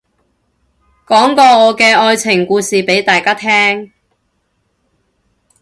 講個我嘅愛情故事俾大家聽